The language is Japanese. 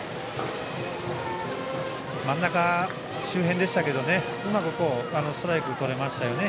真ん中周辺でしたけどうまくストライクがとれましたね。